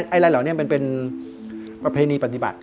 อะไรเหล่านี้มันเป็นประเพณีปฏิบัติ